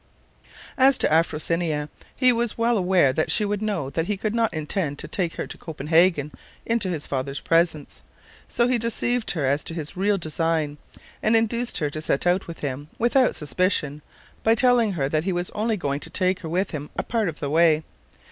As to Afrosinia, he was well aware that she would know that he could not intend to take her to Copenhagen into his father's presence, and so he deceived her as to his real design, and induced her to set out with him, without suspicion, by telling her that he was only going to take her with him a part of the way.